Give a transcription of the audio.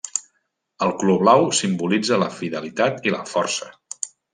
El color blau simbolitza la fidelitat i la força.